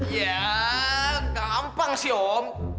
ya gampang sih om